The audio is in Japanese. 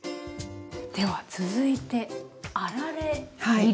では続いてあられ切り。